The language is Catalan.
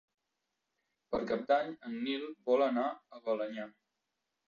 Per Cap d'Any en Nil vol anar a Balenyà.